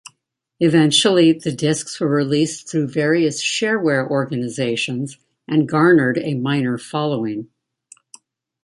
Eventually the disks were released through various shareware organizations and garnered a minor following.